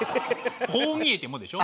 「こう見えても」でしょ？